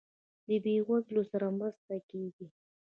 د بیوزلو سره مرسته کیږي؟